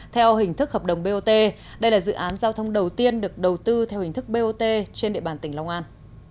theo hình thức hợp đồng bot đây là dự án giao thông đầu tiên được đầu tư theo hình thức bot trên địa bàn tỉnh long an